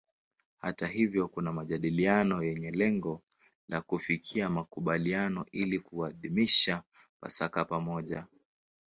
Hata hivyo kuna majadiliano yenye lengo la kufikia makubaliano ili kuadhimisha Pasaka pamoja.